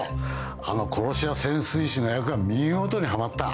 あの殺し屋潜水士の役が見事にハマった。